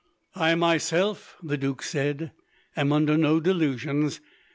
"I myself," the Duke said, "am under no delusions.